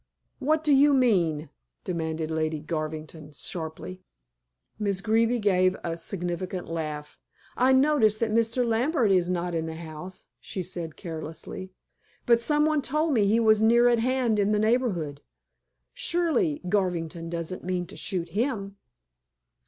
"What do you mean?" demanded Lady Garvington sharply. Miss Greeby gave a significant laugh. "I notice that Mr. Lambert is not in the house," she said carelessly. "But some one told me he was near at hand in the neighborhood. Surely Garvington doesn't mean to shoot him."